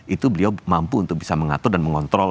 itu beliau mampu untuk bisa mengatur dan mengontrol